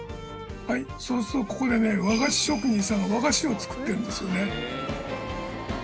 そうするとここでね和菓子職人さんが和菓子を作ってるんですよね。